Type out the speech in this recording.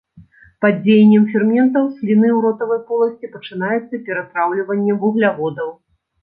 Пад дзеяннем ферментаў сліны ў ротавай поласці пачынаецца ператраўліванне вугляводаў.